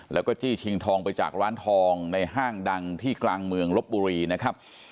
แล้วก็จี้ชิงทองไปจากร้านทองในห้างดังที่กลางเมืองลบบุรีนะครับ